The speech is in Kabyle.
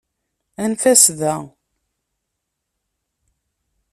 Anef-as da.